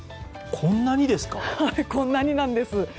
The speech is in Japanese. こんなになんです。